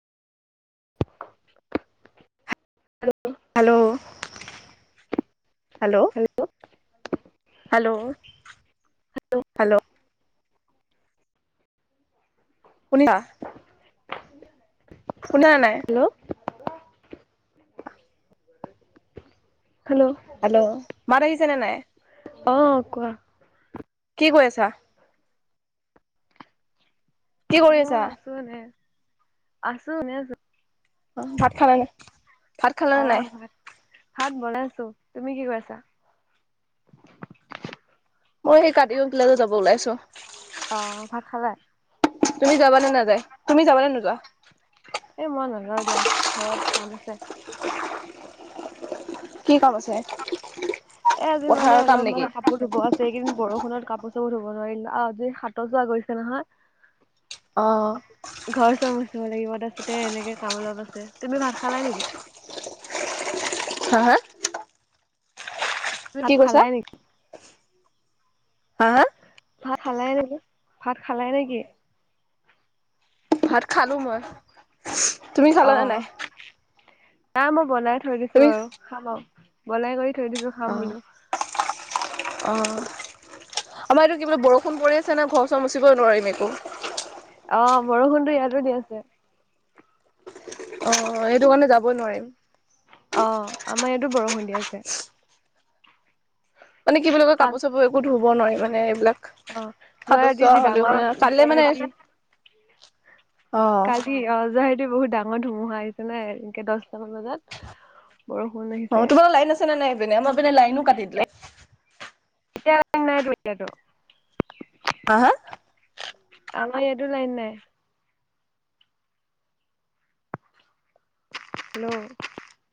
[unintelligible] Hello hello hello hello শুনিলা। শুনা নাই। হেল্ল' হেল্ল' হেল্ল' মাৰ আহিছেনে নাই? অ' কোৱা? কি কৈ আছা? কি কৰি আছে? মই আছো এনে, আছো এনে আছো। অ', ভাত খালে নাই, ভাত খালে অ নে নাই? ভাত ভাত বনাইছো, তুমি কি কৰি আছা? মই সেই [unintelligible] কিলালৈ যাব ওলাইছো। অ', ভাত খালা? তুমি যাবানে নাযায় তুমি যাবানে নোযোৱা? এ মই নাযাও এতিয়া, ঘৰত কাম আছে। কি কাম আছে এ আজি মানে পথাৰৰ কাম নেকি অলপমান কাপোৰ ধুব আছে, এইকেইদিন বৰষুণত কাপোৰ চাপোৰ ধুব নোৱাৰিল আৰু আজি সাতৰ চোৱা গৈছে নহয়। অ'। [unintelligible] লাগিব তাৰপিছতে এনেকে কাম অলপ আছে, তুমি ভাত খালা নেকি? হা হা? কি [unintelligible] কৈছা খালাই নেকি? হা হা? ভাত খালাই, নেকি ভাত খালাই নেকি? ভাত খালোঁ মই, তুমি অ খালানে নাই? নাই মই বনাই থৈ দিছোঁ তুমি আৰু, খাম আৰু বনাই কৰি থৈ দিছোঁ অ খাম বোলোঁ। অ', আমাৰ এইটো কি বুলি বৰষুণ পৰি আছে ন' ঘৰ, চৰ মুচিবই নোৱাৰিম একো। অ', বৰষুণতো ইয়াতো দি আছে। অ', এইটো কাৰণে যাবই নোৱাৰিম। অ', [unintelligible] বৰষুণ দি আছে। মানে কি বুলি কয় কাল কাপোৰ, চাপোৰ একো ধুব নোৱাৰি মানে এইবিলাক অ', যোৱা সাতৰ ৰাতি চোৱা যি হ'লেও ডাঙৰ মানে, কাইলে যোৱা মানে ৰাতি অ', কালি অ', [unintelligible] বহুত ডাঙৰ ধুমুহা আহিছেনে এনেকে দচটামান বজাত বৰষুণ আহিছে। অ', তোমাৰ লাইন আছেনে নাই এইপিনে? আমাৰ পিনে লাইনো কাটি দিলে। [unintelligible] হা, হা আমাৰ ইয়াতো লাইন নাই। হেল্ল'!